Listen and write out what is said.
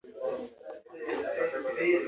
دانګام ځنګلونه ګڼ دي؟